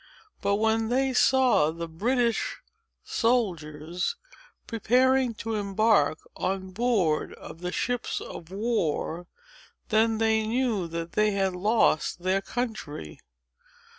But, when they saw the British soldiers preparing to embark on board of the ships of war, then they knew that they had lost their country.